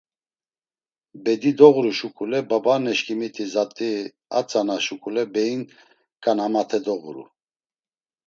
Bedi doğuru şuǩule babaaneşǩimiti zat̆i a tzana şuǩule beyin ǩanamate doğuru.